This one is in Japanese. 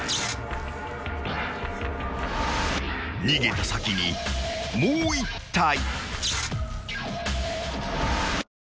［逃げた先にもう１体］